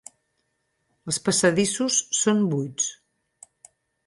Els passadissos són buits.